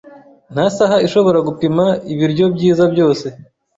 nta saha ishobora gupima Ibiryo byiza byose